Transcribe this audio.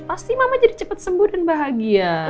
pasti mama jadi cepat sembuh dan bahagia